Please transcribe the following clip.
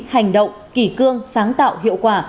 hành động kỷ cương sáng tạo hiệu quả